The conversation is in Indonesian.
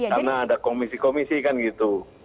karena ada komisi komisi kan gitu